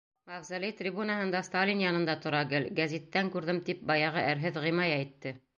Мавзолей трибунаһында Сталин янында тора гел, гәзиттән күрҙем, тип баяғы әрһеҙ Ғимай әйтте.